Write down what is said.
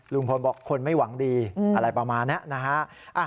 ลุงพลบอกคนไม่หวังดีอะไรประมาณนี้นะฮะ